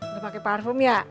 lo pake parfum ya